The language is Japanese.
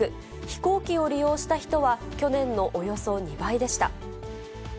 飛行機を利用した人は、去年のおよそ２倍でした。